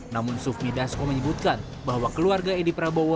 namun sufmi dasko menyebutkan bahwa keluarga edi prabowo